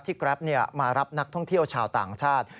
แกรปมารับนักท่องเที่ยวชาวต่างชาติ